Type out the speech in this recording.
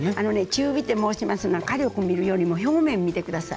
中火って申しますのは火力見るよりも表面見て下さい。